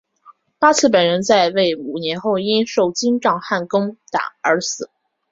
八剌本人在位五年后因受金帐汗攻打而死。